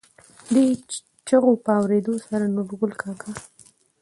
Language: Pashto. دې چېغو په اورېدو سره نورګل کاکا.